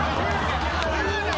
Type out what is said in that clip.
言うなよ！